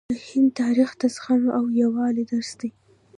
د هند تاریخ د زغم او یووالي درس دی.